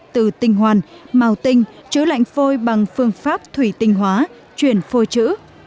từ tinh hoàn màu tinh chữ lạnh phôi bằng phương pháp thủy tinh hóa chuyển phôi chữ